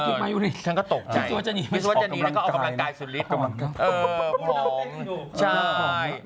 พี่กิ๊กสุวรรษณีย์เอากำลังกายสุลิต